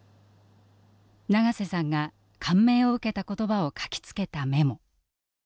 長瀬さんが感銘を受けた言葉を書きつけたメモ。